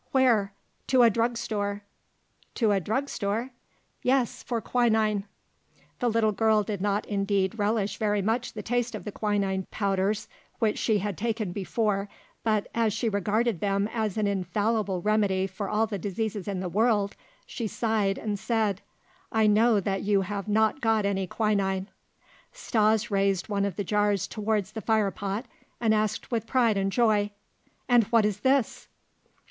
"Where?" "To a drug store." "To a drug store?" "Yes, for quinine." The little girl did not indeed relish very much the taste of the quinine powders which she had taken before, but, as she regarded them as an infallible remedy for all the diseases in the world, she sighed and said: "I know that you have not got any quinine." Stas raised one of the jars towards the fire pot and asked with pride and joy: "And what is this?"